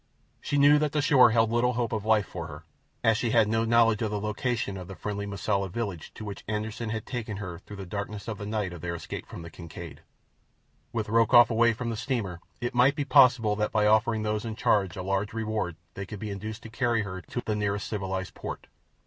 She knew that the shore held little hope of life for her, as she had no knowledge of the location of the friendly Mosula village to which Anderssen had taken her through the darkness of the night of their escape from the Kincaid. With Rokoff away from the steamer it might be possible that by offering those in charge a large reward they could be induced to carry her to the nearest civilized port.